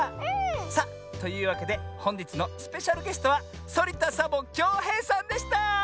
さあというわけでほんじつのスペシャルゲストはそりた・サボ・きょうへいさんでした！